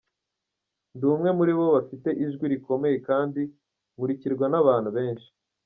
Ndi umwe muri abo bafite ijwi rikomeye kandi nkurikirwa n’abantu benshi.